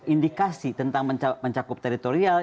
indikasi tentang mencakup teritorial